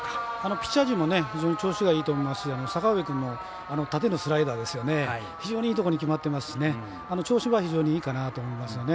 ピッチャー陣も、非常に調子がいいですし阪上君も縦のスライダー非常にいいところに決まってますし調子は非常にいいかなと思いますね。